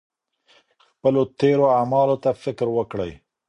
خپلو تېرو اعمالو ته فکر وکړئ.